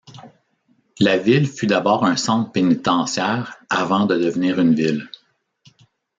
La ville fut d'abord un centre pénitentiaire avant de devenir une ville.